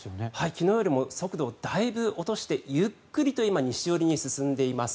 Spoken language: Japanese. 昨日よりも速度をだいぶ落としてゆっくりと西寄りに進んでいます。